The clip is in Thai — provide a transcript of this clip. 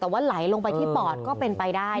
แต่ว่าไหลลงไปที่ปอดก็เป็นไปได้